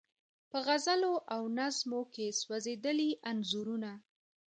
په غزلو او نظمو کې سولیدلي انځورونه